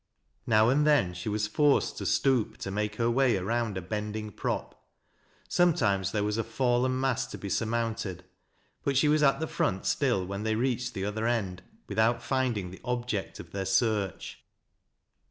Now and then she was forced tc stoop to make her way around a bending prop ; sometimes there was a fallen mass to be surmounted, but she was at the front still when they reached the other end without finding the object of their search.